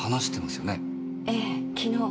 ええ昨日。